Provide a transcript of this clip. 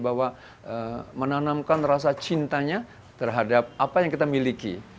bahwa menanamkan rasa cintanya terhadap apa yang kita miliki